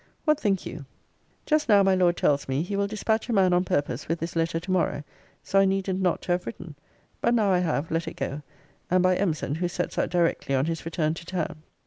What think you? Just now, my Lord tells me, he will dispatch a man on purpose with his letter to morrow: so I needed not to have written. But now I have, let it go; and by Empson, who sets out directly on his return to town.